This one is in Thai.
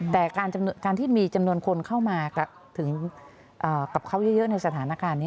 แต่การที่มีจำนวนคนเข้ามาถึงกับเขาเยอะในสถานการณ์นี้